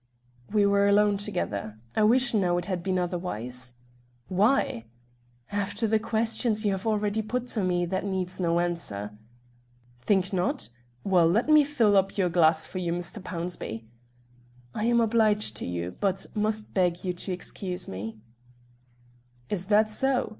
"We were alone together. I wish, now, it had been otherwise." "Why?" "After the questions you have already put to me, that needs no answer." "Think not? Well, let me fill up your glass for you, Mr. Pownceby." "I am obliged to you, but must beg you to excuse me." "Is that so?